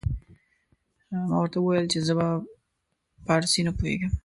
ما ورته وويل چې زه په فارسي نه پوهېږم.